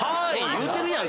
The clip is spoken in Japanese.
言うてるやん。